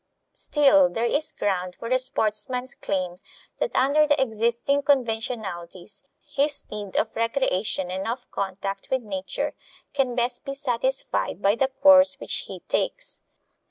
Still, there is ground for the sportsman's claim that under the existing conventionalities his need of recreation and of contact with nature can best be satisfied by the course which he takes.